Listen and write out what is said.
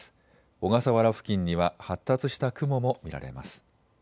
小笠原付近には発達した雲も見られます。